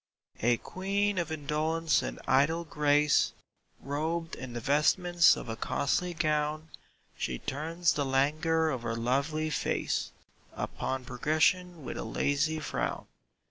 A Queen of indolence and idle grace, Robed in the vestments of a costly gown, She turns the languor of her lovely face Upon progression with a lazy frown.